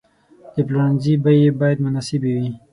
د پلورنځي بیې باید مناسبې وي.